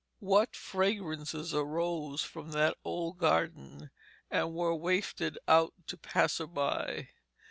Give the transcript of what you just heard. What fragrances arose from that old garden, and were wafted out to passers by!